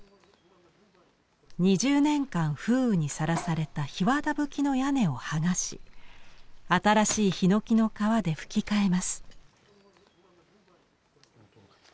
２０年間風雨にさらされた檜皮葺きの屋根を剥がし新しいひのきの皮で葺き替えます。